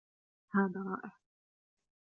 هذا رائع